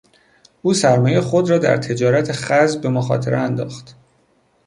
او سرمایهی خود را در تجارت خز به مخاطره انداخت.